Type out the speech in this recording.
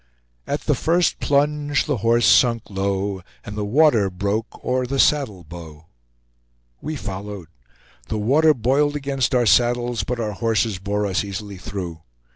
At the first plunge the horse sunk low, And the water broke o'er the saddle bow We followed; the water boiled against our saddles, but our horses bore us easily through.